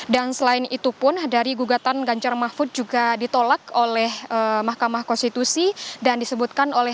dan selain itu pun dari gugatan ganjar mahfud juga ditolak oleh mahkamah konstitusi dan disebutkan oleh